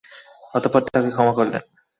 অতঃপর তাকে ক্ষমা করলেন।